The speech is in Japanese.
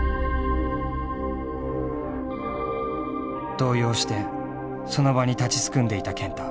動揺してその場に立ちすくんでいた健太。